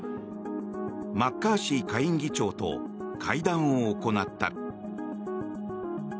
マッカーシー下院議長と会談を行った。